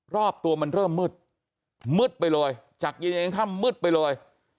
รอบตัวมันเริ่มมืดมืดไปเลยจากเย็นเองค่ำมืดไปเลย